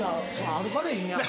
歩かれへんやん。